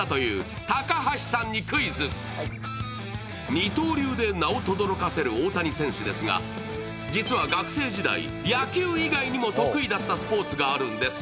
二刀流で名をとどろかせる大谷選手ですが実は学生時代、野球以外にも得意だったスポーツがあるんです。